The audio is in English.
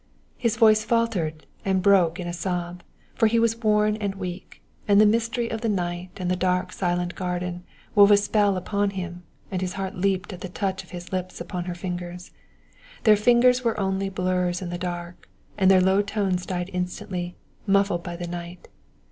His voice faltered and broke in a sob, for he was worn and weak, and the mystery of the night and the dark silent garden wove a spell upon him and his heart leaped at the touch of his lips upon her fingers. Their figures were only blurs in the dark, and their low tones died instantly, muffled by the night.